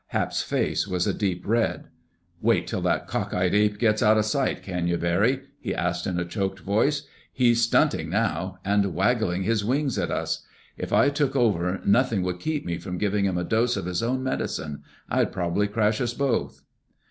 Hap's face was a deep red. "Wait till that cockeyed ape gets out of sight, can you, Barry?" he asked in a choked voice. "He's stunting now—and waggling his wings at us. If I took over nothing could keep me from giving him a dose of his own medicine. I'd probably crash us both."